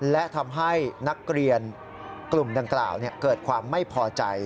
และทำให้นักเรียนกลุ่มดังกล่าวเกิดความไม่พอใจ